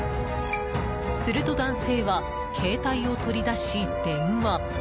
すると男性は携帯を取り出し、電話。